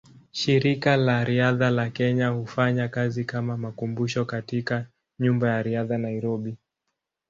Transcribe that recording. Shirika la Riadha la Kenya hufanya kazi kama makumbusho katika Nyumba ya Riadha, Nairobi.